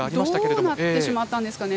どうなってしまったんですかね。